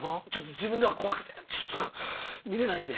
自分では怖くて見れないんで。